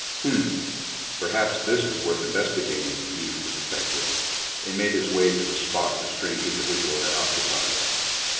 "Humph! Perhaps this is worth investigating," mused the detective, and made his way to the spot the strange individual had occupied.